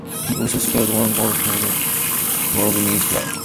He also scored one goal for the Bolognese club.